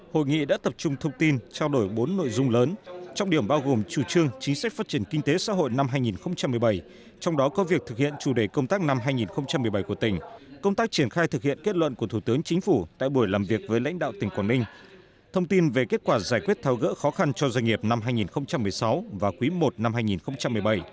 hội nghị đã tập trung thông tin trao đổi bốn nội dung lớn trong điểm bao gồm chủ trương chính sách phát triển kinh tế xã hội năm hai nghìn một mươi bảy trong đó có việc thực hiện chủ đề công tác năm hai nghìn một mươi bảy của tỉnh công tác triển khai thực hiện kết luận của thủ tướng chính phủ tại buổi làm việc với lãnh đạo tỉnh quảng ninh thông tin về kết quả giải quyết tháo gỡ khó khăn cho doanh nghiệp năm hai nghìn một mươi sáu và quý i năm hai nghìn một mươi bảy